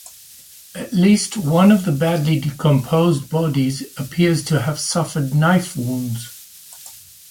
At least one of the badly decomposed bodies appears to have suffered knife wounds.